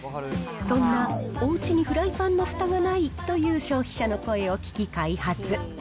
そんなおうちにフライパンのふたがないという消費者の声を聞き開発。